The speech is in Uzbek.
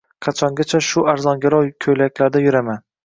Qachongacha shu arzongarov ko`ylaklarda yuraman